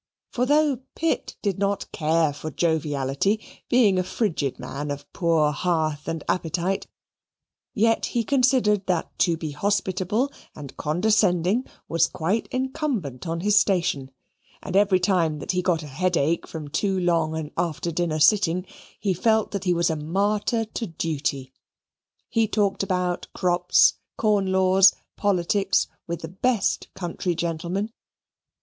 For though Pitt did not care for joviality, being a frigid man of poor hearth and appetite, yet he considered that to be hospitable and condescending was quite incumbent on his station, and every time that he got a headache from too long an after dinner sitting, he felt that he was a martyr to duty. He talked about crops, corn laws, politics, with the best country gentlemen.